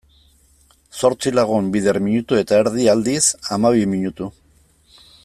Zortzi lagun bider minutu eta erdi, aldiz, hamabi minutu.